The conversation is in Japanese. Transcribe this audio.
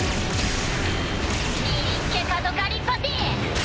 リリッケ・カドカ・リパティ！